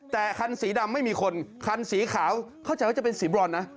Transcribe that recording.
แต่คันสีดำไม่มีคนคันสีขาวเข้าใจว่าจะเป็นสีบรอนนะ